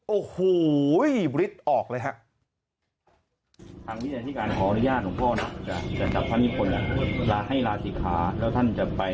โอ้โหฤทธิ์ออกเลยครับ